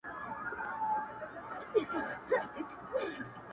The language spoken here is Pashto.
اوښکي دي پر مځکه درته ناڅي ولي,